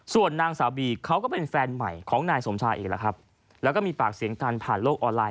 ส่วนนางสาวบีเขาก็เป็นแฟนใหม่ของนายสมชายเองแหละครับแล้วก็มีปากเสียงกันผ่านโลกออนไลน